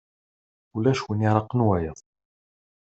Ulac win iraqen wayeḍ.